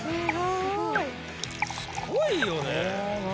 すごいよね。